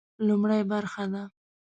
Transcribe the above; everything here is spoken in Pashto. لومړۍ برخه ده.